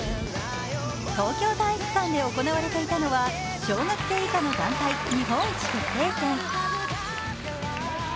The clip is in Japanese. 東京体育館で行われていたのが小学生以下の団体戦日本一決定戦。